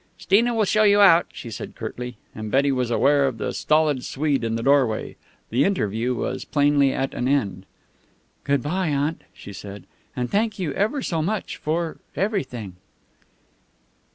"Steena will show you out," she said curtly. And Betty was aware of the stolid Swede in the doorway. The interview was plainly at an end. "Good by, Aunt," she said, "and thank you ever so much for everything."